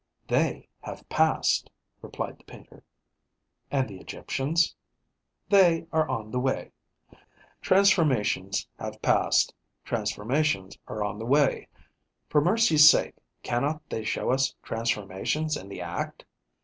'They have passed,' replied the painter. 'And the Egyptians?' 'They are on the way.' Transformations have passed, transformations are on the way. For mercy's sake, cannot they show us transformations in the act?